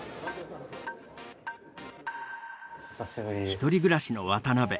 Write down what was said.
１人暮らしの渡辺。